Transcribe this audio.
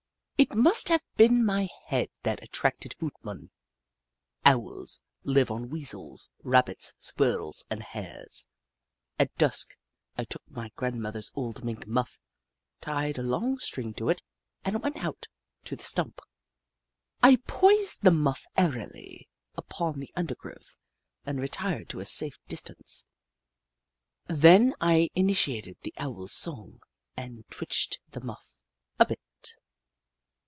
It must have been my head that attracted Hoot Mon. Owls live on Weasels, Rabbits, Squirrels, and Hares. At dusk I took my grandmother's old Mink muff, tied a long string to it, and went out to the stump. I poised the muff airily upon the undergrowth and retired to a safe distance. Then I imi tated the Owl's song and twitched the muff a bit.